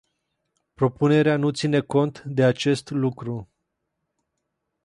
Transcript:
Propunerea nu ține cont de acest lucru.